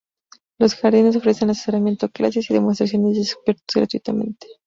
Los jardines ofrecen asesoramiento, clases, y demostraciones de expertos gratuitamente.